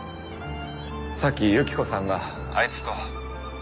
さっきユキコさんがあいつと。